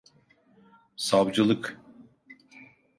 Savcılık.